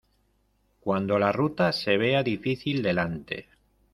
Cuando la ruta se vea difícil delante.